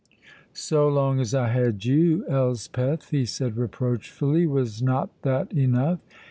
"So long as I had you, Elspeth," he said reproachfully, "was not that enough?"